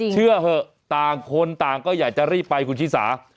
เชื่อเหอะต่างคนต่างก็อยากจะรีบไปคุณชิสา